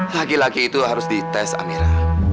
laki laki itu harus dites amira